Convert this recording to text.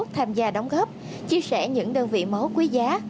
tham gia đóng góp chia sẻ những đơn vị máu quý giá